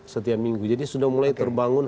setiap minggu jadi sudah mulai terbangun